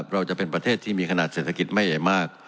เราจะเป็นประเทศที่มีขนาดเศรษฐกิจไม่ใหญ่มาก